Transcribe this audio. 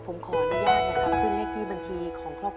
ช่วยกำลังใจให้กับครอบครัวของคุณนะครับ